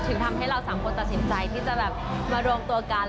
ทำให้เราสามคนตัดสินใจที่จะแบบมารวมตัวกัน